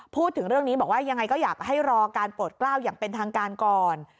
พูดถึงเรื่องนี้บอกว่ายังไงก็อยากให้รอการโปรดกล้าวอย่างเป็นทางการก่อน